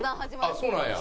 あっそうなんや。